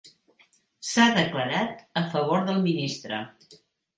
S'ha declarat a favor del ministre.